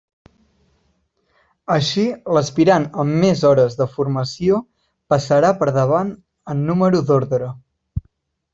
Així l'aspirant amb més hores de formació passarà per davant en número d'ordre.